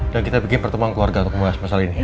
dan kita bikin pertemuan keluarga untuk mengulas masalah ini